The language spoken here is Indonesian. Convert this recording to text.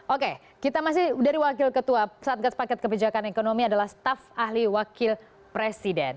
oke kita masih dari wakil ketua satgas paket kebijakan ekonomi adalah staf ahli wakil presiden